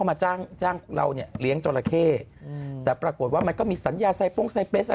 มันมีเกี่ยวกับค่าแรงของเราสูงขึ้น